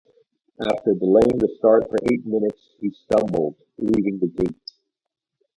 After delaying the start for eight minutes, he stumbled leaving the gate.